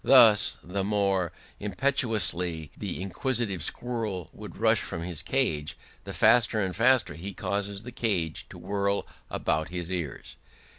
Thus the more impetuously the inquisitive squirrel would rush from his cage, the faster and faster he causes the cage to whirl about his ears.